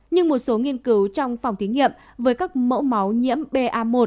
nhưng một số nghiên cứu trong phòng thí nghiệm với các mẫu máu nhiễm ba